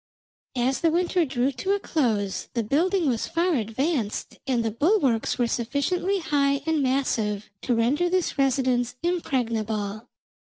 "As the winter drew to a close the building was far advanced, and the bulwarks were sufficiently high and massive to render this residence impregnable.